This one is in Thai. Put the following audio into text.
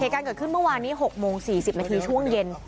เหตุการณ์เกิดขึ้นเมื่อวานนี้๖โมง๔๐นาทีช่วงเย็น